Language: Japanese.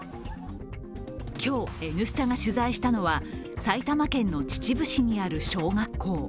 今日「Ｎスタ」が取材したのは埼玉県の秩父市にある小学校。